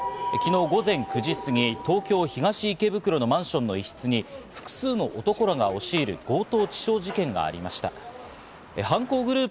昨日午前９時過ぎ、東京・東池袋のマンションの一室に複数の男らが押し入る、強盗致傷事件がありました。